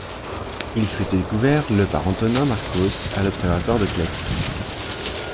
Il fut découvert le par Antonín Mrkos à l'observatoire de Kleť.